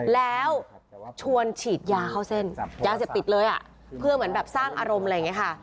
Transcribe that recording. แล้วชวนฉีดยาเข้าเส้นยาเสพติดเลยอ่ะเพื่อเหมือนแบบสร้างอารมณ์อะไรอย่างนี้ค่ะ